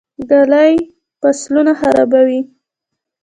ږلۍ فصلونه خرابوي.